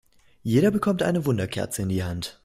Jeder bekommt eine Wunderkerze in die Hand.